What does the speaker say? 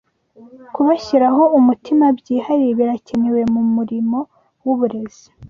kubashyiraho umutima byihariye biracyakenewe mu murimo w’uburezi